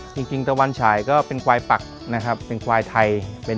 จริงตะวันฉายก็เป็นควายปักนะครับเป็นควายไทยเป็น